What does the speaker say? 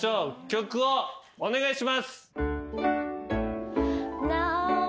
曲をお願いします。